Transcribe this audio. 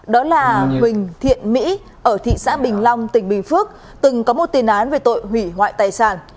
đó là huỳnh thiện mỹ ở thị xã bình long tỉnh bình phước từng có một tiền án về tội hủy hoại tài sản